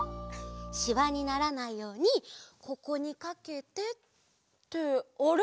しわにならないようにここにかけてってあれ？